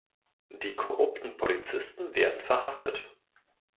Die korrupten Polizisten werden verhaftet.